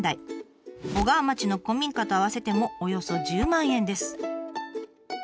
小川町の古民家と合わせてもおよそ１０万円です。